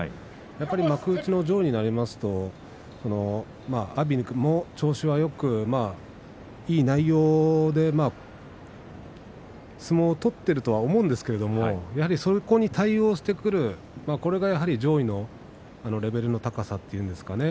幕内の上位になりますと阿炎も調子がよく、いい内容で相撲を取っているとは思うんですがやはりそこに対応してくるこれが上位のレベルの高さというんですかね